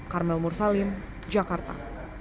carmel mursalin jakarta